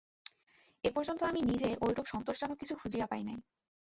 এ পর্যন্ত আমি নিজে ঐরূপ সন্তোষজনক কিছু খুঁজিয়া পাই নাই।